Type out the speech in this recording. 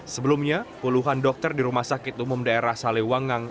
sebelumnya puluhan dokter di rumah sakit umum daerah salewangang